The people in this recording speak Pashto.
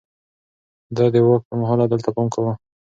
ده د واک پر مهال عدل ته پام کاوه.